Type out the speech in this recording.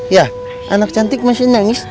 ya anak cantik masih nangis